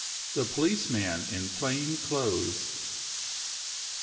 THE POLICEMAN IN PLAIN CLOTHES.